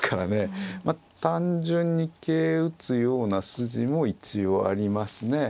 単純に桂打つような筋も一応ありますね。